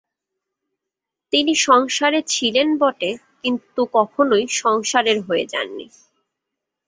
তিনি সংসারে ছিলেন বটে, কিন্তু কখনই সংসারের হয়ে যাননি।